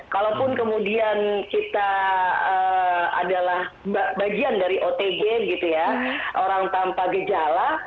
kalaupun kemudian kita adalah bagian dari otg gitu ya orang tanpa gejala